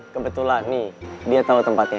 kebetulan nih dia tahu tempatnya